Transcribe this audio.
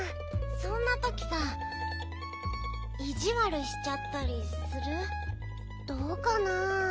そんなときさいじわるしちゃったりする？どうかな。